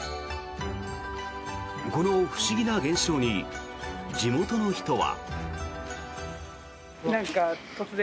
この不思議な現象に地元の人は。